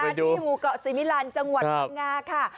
ที่หมู่เกาะสิมิลันจังหวัดพังงาค่ะ